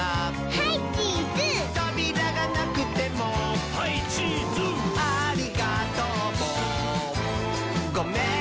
「ハイチーズ」「とびらがなくても」「ハイチーズ」「ありがとうもごめんねも」